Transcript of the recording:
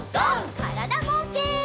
からだぼうけん。